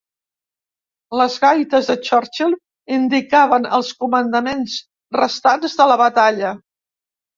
Les gaites de Churchill indicaven els comandaments restants de la batalla.